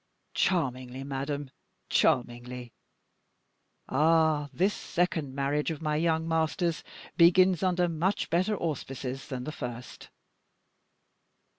"Charmingly, madame charmingly. Ah! this second marriage of my young master's begins under much better auspices than the first."